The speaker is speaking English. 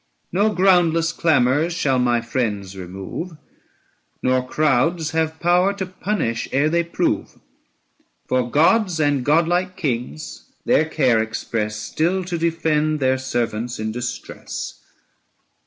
No groundless clamours shall my friends remove 995 Nor crowds have power to punish ere they prove; For gods and godlike kings their care express Still to defend their servants in distress.